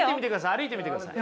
歩いてみてください。